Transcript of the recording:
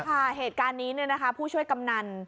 ค่ะเหตุการณ์นี้นะคะผู้ช่วยกำนัน